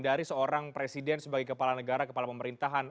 dari seorang presiden sebagai kepala negara kepala pemerintahan